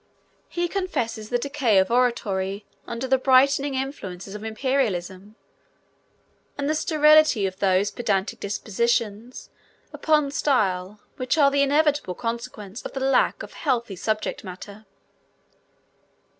He confesses the decay of oratory under the blighting influences of imperialism, and the sterility of those pedantic disquisitions upon style which are the inevitable consequence of the lack of healthy subject matter.